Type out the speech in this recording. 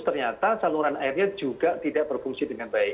ternyata saluran airnya juga tidak berfungsi dengan baik